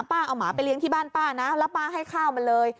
เอาหมาไปเลี้ยงที่บ้านป้านะแล้วป้าให้ข้าวมันเลย